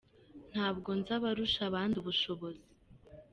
Ntabwo nzi abarusha abandi ubushobozi